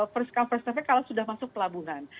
first come first traffic kalau sudah masuk pelabuhan